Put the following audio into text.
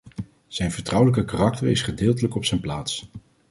Zijn vertrouwelijk karakter is gedeeltelijk op zijn plaats.